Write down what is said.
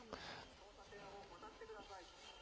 交差点を渡ってください。